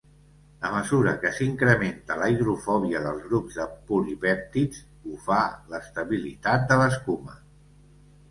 A mesura que s'incrementa la hidrofòbia dels grups de polipèptids ho fa l'estabilitat de l'escuma.